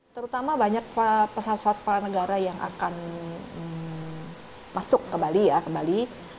terutama banyak pesawat pesawat para negara yang akan masuk ke bali